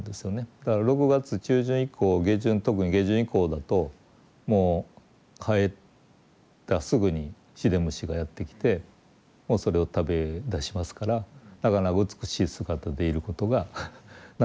ただ６月中旬以降下旬特に下旬以降だともう生えたすぐにシデムシがやって来てもうそれを食べだしますからだから美しい姿でいることが長い時間続かないというか。